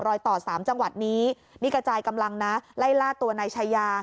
รอยต่อสามจังหวัดนี้นี่กระจายกำลังนะไล่ล่าตัวนายชายา